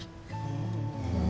うん。